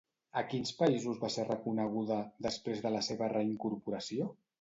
A quins països va ser reconeguda, després de la seva reincorporació?